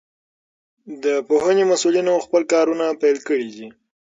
د پوهنې مسئولينو خپل کارونه پيل کړي دي.